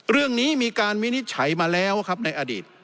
เรื่องนี้มีการวินิจฉัยมาแล้วครับในอดีต